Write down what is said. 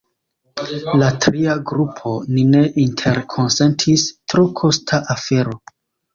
La tria grupo: “Ni ne interkonsentis – tro kosta afero!